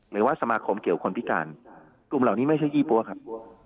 หรือว่าสมาคมเกี่ยวคนพิการกลุ่มเหล่านี้ไม่ใช่ยี่ปั๊วครับ